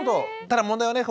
ただ問題はね